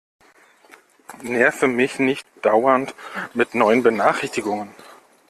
Nerve mich nicht dauernd mit neuen Benachrichtigungen!